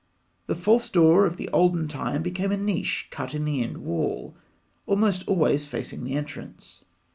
The false door of the olden time became a niche cut in the end wall, almost always facing the entrance.